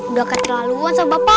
udah keterlaluan sama bapak